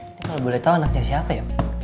ini kalo boleh tau anaknya siapa yuk